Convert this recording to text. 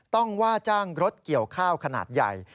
ว่าจ้างรถเกี่ยวข้าวขนาดใหญ่